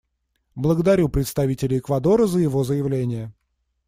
Благодарю представителя Эквадора за его заявление.